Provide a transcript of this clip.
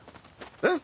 えっ？